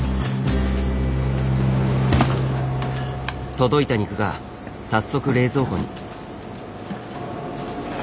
届いた肉が早速冷蔵庫に。